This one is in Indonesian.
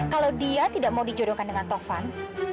kalau dia tidak mau dijodohkan dengan tovan